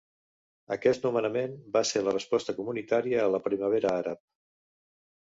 Aquest nomenament va ser la resposta comunitària a la Primavera Àrab.